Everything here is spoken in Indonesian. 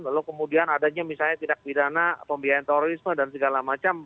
lalu kemudian adanya misalnya tidak pidana pembiayaan terorisme dan segala macam